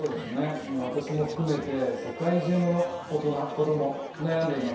私も含めて世界中の大人、子供、悩んでいます。